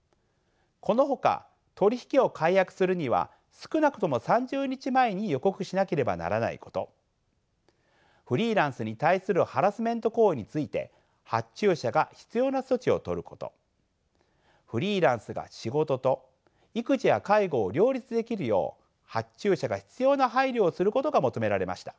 このほか取り引きを解約するには少なくとも３０日前に予告しなければならないことフリーランスに対するハラスメント行為について発注者が必要な措置をとることフリーランスが仕事と育児や介護を両立できるよう発注者が必要な配慮をすることが求められました。